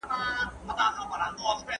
تاسي مجنونانو خو غم پرېـښووئ و نـورو تـه